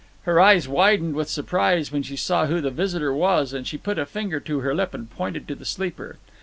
Her eyes widened with surprise when she saw who the visitor was, and she put a finger to her lip and pointed to the sleeper.